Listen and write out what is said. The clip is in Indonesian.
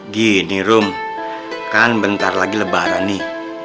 gini rum kan bentar lagi lebaran nih